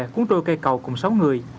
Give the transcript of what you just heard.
cuốn trôi cây cầu cùng sáu người